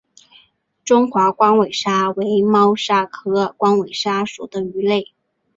中华光尾鲨为猫鲨科光尾鲨属的鱼类。